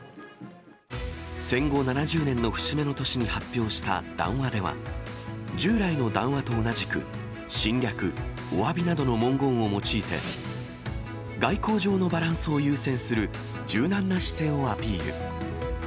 戦後７０年の節目の年に発表した談話では、従来の談話と同じく、侵略、おわびなどの文言を用いて、外交上のバランスを優先する柔軟な姿勢をアピール。